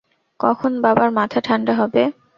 কখন বাবার মাথা ঠাণ্ডা হবে।